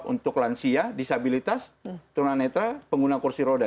untuk lansia disabilitas turunan netra pengguna kursi roda